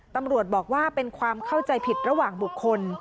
ตำรวจบอกว่าเป็นความเข้าใจผิดระหว่างบุคคล